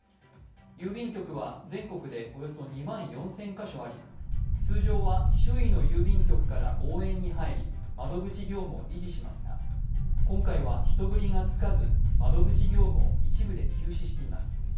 郵便局は全国でおよそ２万４０００カ所あり通常は周囲の郵便局から応援に入り窓口業務を維持しますが今回は人繰りがつかず窓口業務を一部で休止しています。